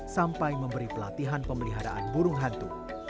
sampai memberi pelatihan pemeliharaan burung hantu